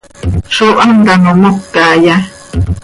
¿Zó hant ano mocaya?